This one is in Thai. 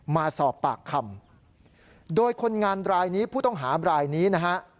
มาสอบปากคำโดยคนงานรายนี้ผู้ต้องหาบรายนี้นะฮะ